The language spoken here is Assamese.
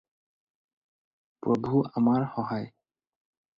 প্ৰভু আমাৰ সহায়